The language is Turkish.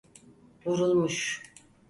Vurulmuş.